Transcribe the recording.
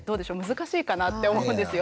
難しいかなって思うんですよ。